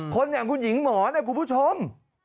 คนอย่างคุณหญิงหมอนะคุณผู้ชม